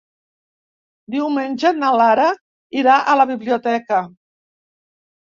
Diumenge na Lara irà a la biblioteca.